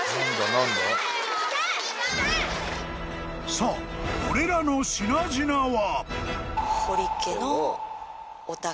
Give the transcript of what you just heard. ［さあこれらの品々は］